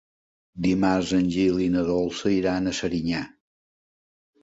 Dimarts en Gil i na Dolça iran a Serinyà.